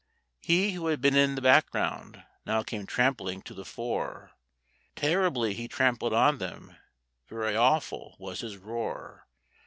He who had been in the background now came trampling to the fore; Terribly he trampled on them, very awful was his roar!